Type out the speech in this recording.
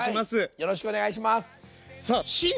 よろしくお願いします！